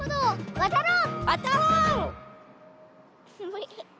わたろう！